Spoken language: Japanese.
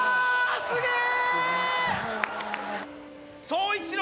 すげえ！